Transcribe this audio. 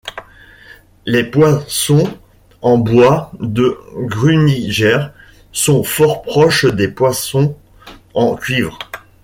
Les poinçons en bois de Grüniger sont fort proches des poinçons en cuivre.